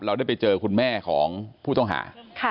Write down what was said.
เราได้ไปเจอคุณแม่ของผู้ต้องหา